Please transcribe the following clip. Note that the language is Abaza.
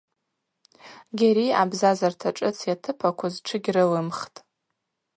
Гьари абзазарта шӏыц йатыпаквуз тшыгьрылимхтӏ.